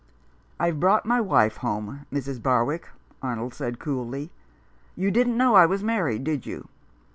"I've brought my wife home, Mrs. Barwick," Arnold said coolly. " You didn't know I was married, did you